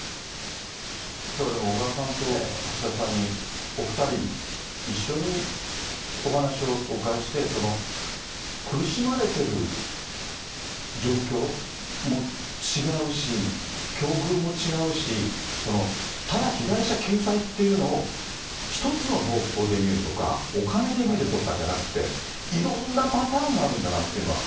きょうはでも小川さんと橋田さんに、お２人一緒にお話をお伺いして、苦しまれてる状況も違うし、境遇も違うし、ただ被害者救済っていうのを、一つの方向で見るとか、お金で見るとかじゃなくて、いろんなパターンがあるんだなっていうのが。